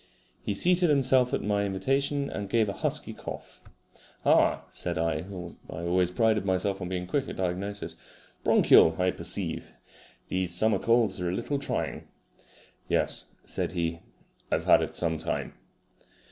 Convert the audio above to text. He seated himself at my invitation and gave a husky cough. "Ah," said I I always prided myself on being quick at diagnosis "bronchial, I perceive. These summer colds are a little trying." "Yes," said he. "I've had it some time."